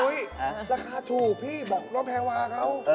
น้วยราคาถูกที่บอกน้องแพวาเจ้า